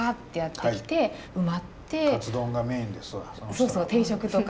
そうそう定食とか。